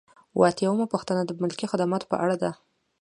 اووه اتیا یمه پوښتنه د ملکي خدمتونو په اړه ده.